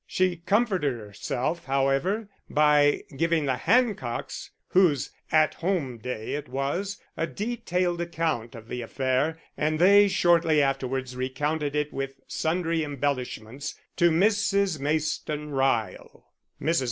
She comforted herself, however, by giving the Hancocks, whose At Home day it was, a detailed account of the affair; and they, shortly afterwards, recounted it with sundry embellishments to Mrs. Mayston Ryle. Mrs.